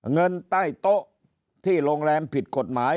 เงินใต้โต๊ะที่โรงแรมผิดกฎหมาย